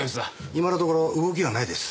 今のところ動きはないです。